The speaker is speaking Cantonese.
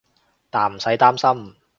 但唔使擔心